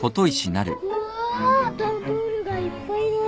うわぁダンボールがいっぱいだ。